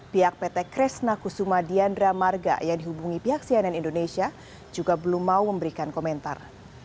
pihak pt kresna kusuma diandra marga yang dihubungi pihak cnn indonesia juga belum mau memberikan komentar